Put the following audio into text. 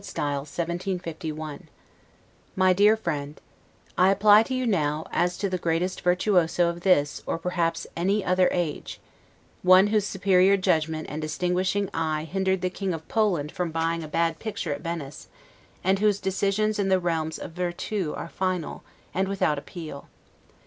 S. 1751 MY DEAR FRIEND: I apply to you now, as to the greatest virtuoso of this, or perhaps any other age; one whose superior judgment and distinguishing eye hindered the King of Poland from buying a bad picture at Venice, and whose decisions in the realms of 'virtu' are final, and without appeal.